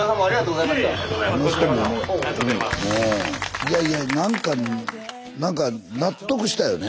いやいやなんか納得したよね。